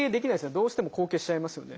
どうしても後傾しちゃいますよね。